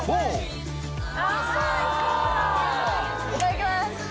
いただきます！